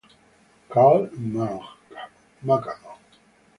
Carl McHugh